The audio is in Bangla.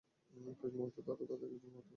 কয়েক মুহূর্তে তারা তাদের একজনকে হত্যা করল।